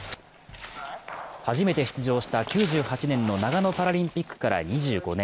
初めて出場した９８年の長野パラリンピックから２５年。